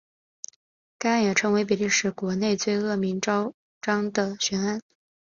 该案也成为比利时国内最恶名昭彰的悬案。